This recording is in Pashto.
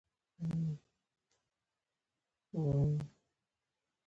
یوه ورځ وو پیر بازار ته راوتلی